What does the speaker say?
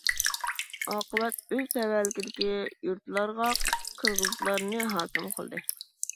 ئاقىۋەت ئۆز تەۋەلىكىدىكى يۇرتلارغا قىرغىزلارنى ھاكىم قىلدى.